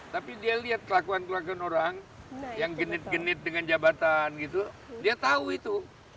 tapi dia lihat kelakuan kelakuan orang yang genit genit dengan jabatan gitu dia tahu itu